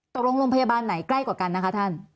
โรงพยาบาลไหนใกล้กว่ากันนะคะท่าน